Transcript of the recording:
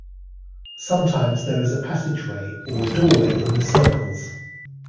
Sometimes there is a passageway, or a doorway, in the circles.